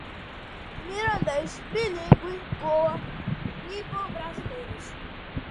mirandês, bilíngue, Goa, nipo-brasileiros